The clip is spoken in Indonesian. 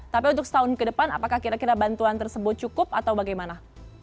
tapi untuk setahun ke depan apakah kira kira bantuan tersebut cukup atau bagaimana